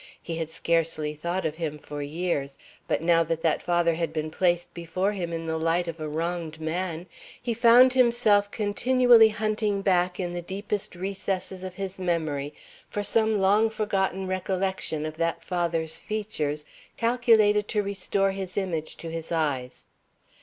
He had scarcely thought of him for years, but now that that father had been placed before him in the light of a wronged man, he found himself continually hunting back in the deepest recesses of his memory for some long forgotten recollection of that father's features calculated to restore his image to his eyes.